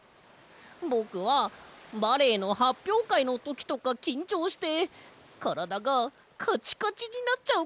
ぼくはバレエのはっぴょうかいのときとかきんちょうしてからだがカチカチになっちゃうことがあるんだ！